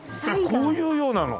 えっこういうようなの？